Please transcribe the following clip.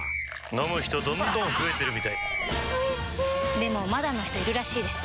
飲む人どんどん増えてるみたいおいしでもまだの人いるらしいですよ